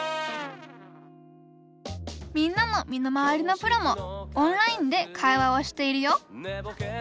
みんなの身の回りのプロもオンラインで会話をしているよ。